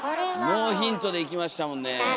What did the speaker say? ノーヒントでいきましたもんねえ。